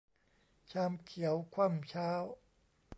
ชามเขียวคว่ำเช้า